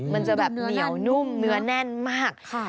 มันจะแบบเหนียวนุ่มเนื้อแน่นมาก